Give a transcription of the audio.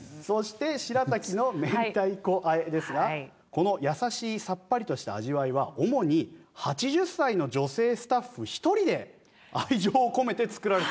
そして白滝の明太子和えですがこの優しいさっぱりとした味わいは主に８０歳の女性スタッフ１人で愛情を込めて作られている。